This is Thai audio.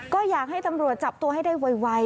ก็อยากให้ตำรวจจับตัวให้ได้ไว